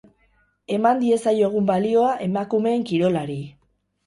Eman diezaiogun balioa emakumeen kirolari.